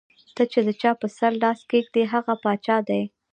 ته چې د چا پۀ سر لاس کېږدې ـ هغه باچا دے ـ